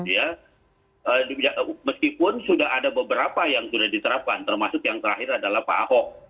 ya meskipun sudah ada beberapa yang sudah diterapkan termasuk yang terakhir adalah pak ahok